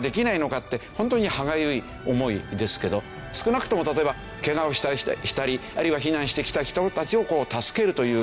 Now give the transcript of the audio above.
ってホントに歯がゆい思いですけど少なくとも例えばケガをしたりあるいは避難してきた人たちを助けるという事も含めてですね